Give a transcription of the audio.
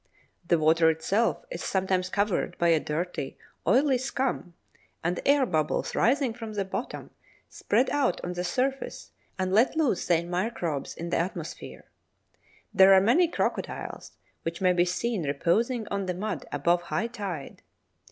The water itself is sometimes covered by a dirty, oily scum, and air bubbles rising from the bottom, spread out on the surface and let loose their microbes in the atmosphere." There are many crocodiles, which may be seen reposing on the mud above high tide.